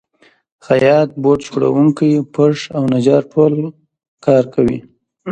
خیاط، بوټ جوړونکی، پښ او نجار ټول کار کوي